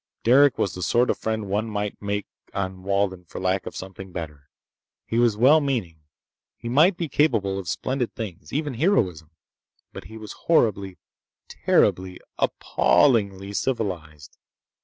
Derec was the sort of friend one might make on Walden for lack of something better. He was well meaning. He might be capable of splendid things—even heroism. But he was horribly, terribly, appallingly civilized!